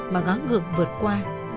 mà gắn ngược vượt qua